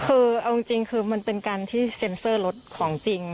คือเอาจริงคือมันเป็นการที่เซ็นเซอร์รถของจริง